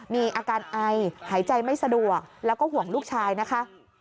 มีอาการไอหายใจไม่สะดวกแล้วก็ห่วงลูกชายนะคะ